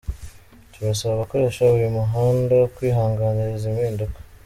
Turasaba abakoresha uyu muhanda kwihanganira izi mpinduka.